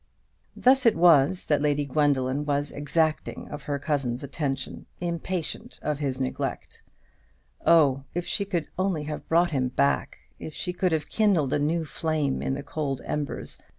Thus it was that Lady Gwendoline was exacting of her cousin's attention, impatient of his neglect. Oh, if she could have brought him back! if she could have kindled a new flame in the cold embers!